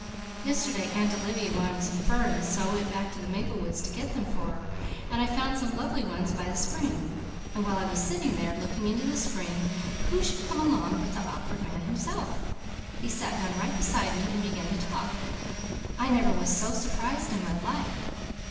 Yesterday Aunt Olivia wanted some ferns, so I went back to the maple woods to get them for her, and I found some lovely ones by the spring. And while I was sitting there, looking into the spring who should come along but the Awkward Man himself. He sat right down beside me and began to talk. I never was so surprised in my life.